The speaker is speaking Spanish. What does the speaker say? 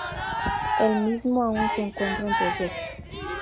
El mismo aún se encuentra en proyecto.